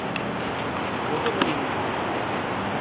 O da neyin nesi?